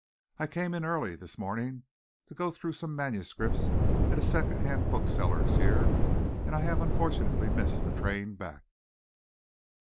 I came in early this morning to go through some manuscripts at a second hand bookseller's here, and I have unfortunately missed the train back."